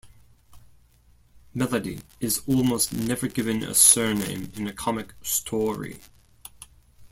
Melody is almost never given a surname in a comic story.